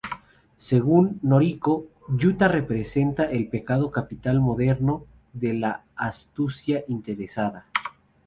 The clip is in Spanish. Según Noriko, Yuta representa el pecado capital moderno de la "astucia interesada".